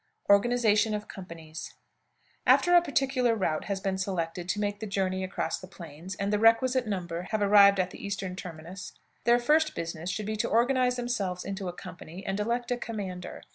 ORGANIZATION OF COMPANIES. After a particular route has been selected to make the journey across the plains, and the requisite number have arrived at the eastern terminus, their first business should be to organize themselves into a company and elect a commander.